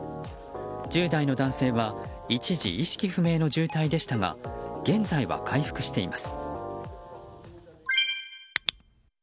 １０代の男性は一時、意識不明の重体でしたが現在は回復しています。